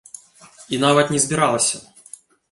І нават не збіралася.